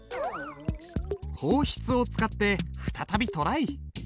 方筆を使って再びトライ！